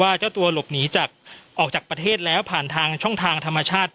เจ้าตัวหลบหนีออกจากประเทศแล้วผ่านทางช่องทางธรรมชาติ